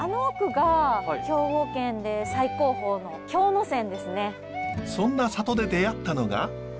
多分ねそんな里で出会ったのが。